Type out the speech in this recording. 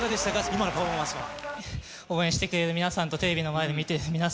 今のパフォーマンスは。